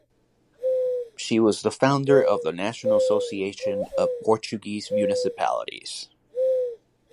She was the founder of the National Association of Portuguese Municipalities.